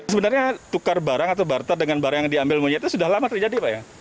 sebenarnya tukar barang atau barter dengan barang yang diambil monyet itu sudah lama terjadi pak ya